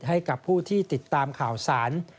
ให้กับผู้ที่ติดตามข่าวสาร